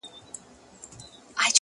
د کلې خلگ به دي څه ډول احسان ادا کړې’